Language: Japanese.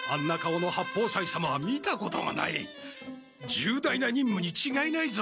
重大な任務にちがいないぞ。